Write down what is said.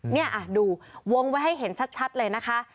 นี่ดูวงไว้ให้เห็นชัดเลยนะคะ